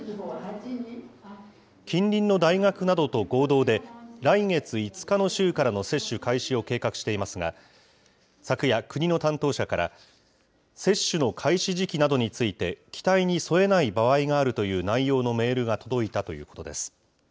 近隣の大学などと合同で、来月５日の週からの接種開始を計画していますが、昨夜、国の担当者から、接種の開始時期などについて、期待に添えない場合があるという内容のメールが届いたということです。